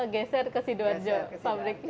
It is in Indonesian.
geser ke sidoarjo pabriknya